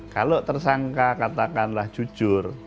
kalau tersangka katakanlah jujur